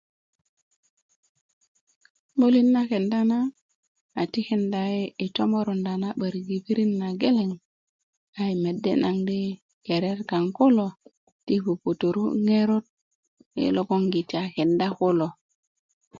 'bulit na kenda na a tikinda yi' yi tomorunda na 'bärik i pirit na geleng a yi medi' naŋ di keriyat kaŋ kulo ti puputuru' ŋerot yi loŋ giti a kenda kulo